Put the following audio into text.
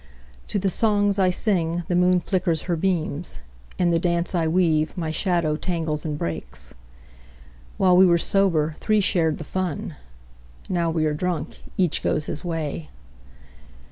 To the songs I sing the moon flickers her beams; In the dance I weave my shadow tangles and breaks. While we were sober, three shared the fun; Now we are drunk, each goes his way.